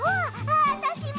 あたしも！